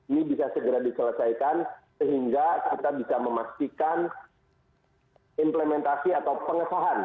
ini bisa segera diselesaikan sehingga kita bisa memastikan implementasi atau pengambilan data pribadi